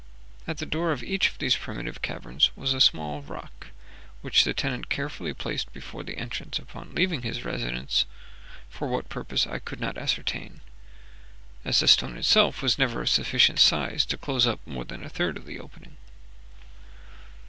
At the door of each of these primitive caverns was a small rock, which the tenant carefully placed before the entrance upon leaving his residence, for what purpose I could not ascertain, as the stone itself was never of sufficient size to close up more than a third of the opening.